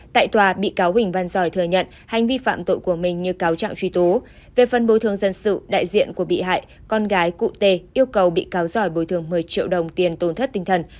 tại tòa bị cáo huỳnh văn giỏi thừa nhận hành vi phạm tội của mình như cáo trạng truy tố về phân bồi thường dân sự đại diện của bị hại con gái cụ tê yêu cầu bị cáo giỏi bồi thường một mươi triệu đồng tiền tổn thất tinh thần